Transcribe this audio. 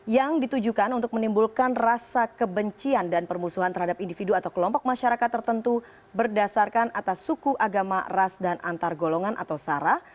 yang ditujukan untuk menimbulkan rasa kebencian dan permusuhan terhadap individu atau kelompok masyarakat tertentu berdasarkan atas suku agama ras dan antar golongan atau sara